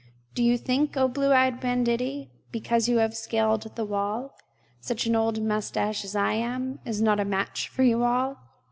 Do you think, o blue eyed banditti, Because you have scaled the wall, Such an old mustache as I am Is not a match for you all!